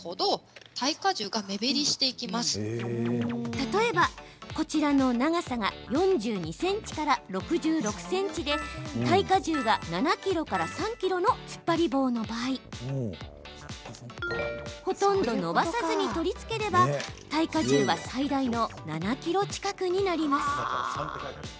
例えば、こちらの長さが４２ｃｍから６６ｃｍで耐荷重が７ｋｇから３ｋｇのつっぱり棒の場合ほとんど伸ばさずに取り付ければ耐荷重は最大の７ｋｇ近くになります。